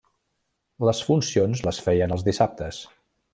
Les funcions les feien els dissabtes.